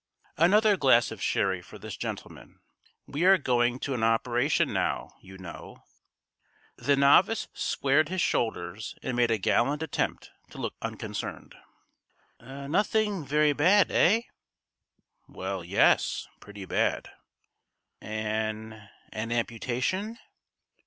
Another glass of sherry for this gentleman. We are going to an operation now, you know." The novice squared his shoulders and made a gallant attempt to look unconcerned. "Nothing very bad eh?" "Well, yes pretty bad." "An an amputation?"